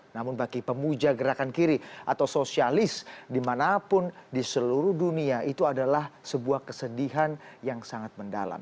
namun bagi pemuja gerakan kiri atau sosialis dimanapun di seluruh dunia itu adalah sebuah kesedihan yang sangat mendalam